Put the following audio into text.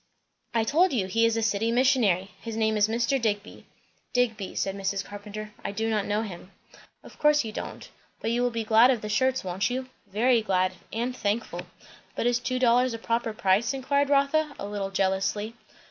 "I told you, he is a city missionary. His name is Mr. Digby." "Digby," said Mrs. Carpenter. "I do not know him." "Of course you don't. But you will be glad of the shirts, won't you?" "Very glad, and thankful." "But is two dollars a proper price?" inquired Rotha a little jealously.